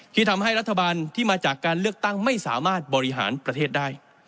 ที่ทำให้รัฐบาลที่มาจากการเลือกตั้งไม่สามารถบริหารประเทศได้